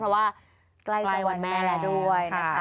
เพราะว่าใกล้ใจวันแม่แล้วด้วยนะคะ